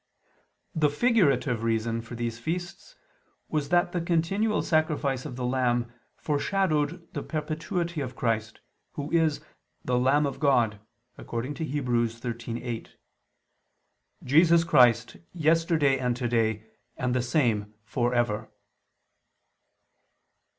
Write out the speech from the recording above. The figurative reason for these feasts was that the continual sacrifice of the lamb foreshadowed the perpetuity of Christ, Who is the "Lamb of God," according to Heb. 13:8: "Jesus Christ yesterday and today, and the same for ever."